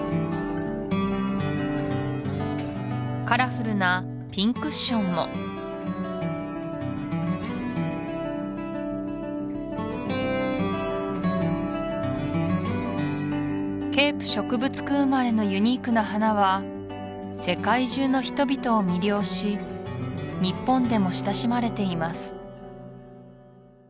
カラフルなピンクッションもケープ植物区生まれのユニークな花は世界中の人々を魅了し日本でも親しまれています